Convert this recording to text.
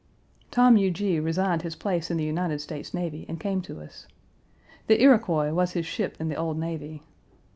Tom Huger resigned his place in the United States Navy and came to us. The Iroquois was his ship in the old navy.